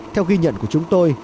theo ghi nhận của chúng tôi